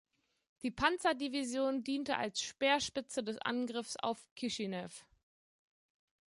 Die Panzerdivision diente als Speerspitze des Angriffes auf Kischinew.